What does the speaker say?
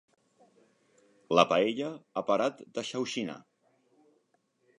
La paella ha parat de xauxinar.